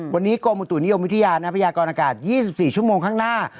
วันนี้กรมอุตุนิยมวิทยาพยากรอากาศ๒๔ชั่วโมงข้างหน้า